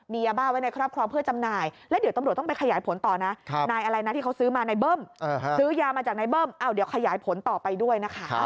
มียาบ้าไว้ในครอบครองเพื่อจำหน่าย